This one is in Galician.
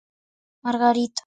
Margarita.